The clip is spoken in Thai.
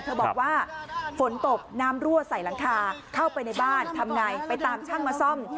บอกว่าฝนตกน้ำรั่วใส่หลังคาเข้าไปในบ้านทำไงไปตามช่างมาซ่อม